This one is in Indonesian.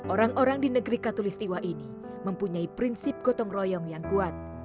orang orang di negeri katolistiwa ini mempunyai prinsip gotong royong yang kuat